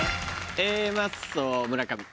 Ａマッソ・村上。